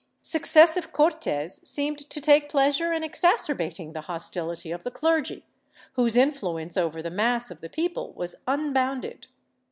Successive Cortes seemed to take pleasure in exacerbating the hostility of the clergy, whose influence over the mass of the people was unbounded.